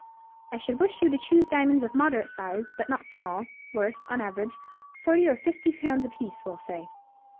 I should wish you to choose diamonds of moderate size, but not small; worth, on an average, forty or fifty pounds apiece, we'll say."